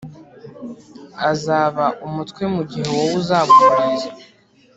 Azaba umutwe mu gihe wowe uzaba umurizo.